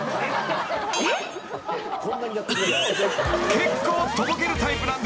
［結構とぼけるタイプなんですね］